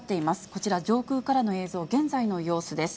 こちら、上空からの映像、現在の様子です。